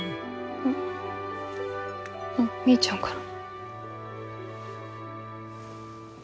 あっみーちゃんから。